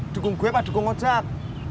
dukung gue apa dukung jack